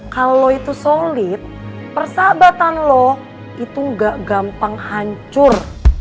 kalau itu solid persahabatan loh itu gak gampang hancur